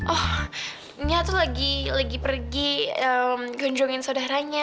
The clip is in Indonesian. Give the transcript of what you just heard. oh nya tuh lagi pergi kunjungin saudaranya